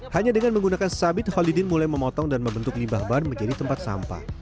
hanya dengan menggunakan sabit holidin mulai memotong dan membentuk limbah ban menjadi tempat sampah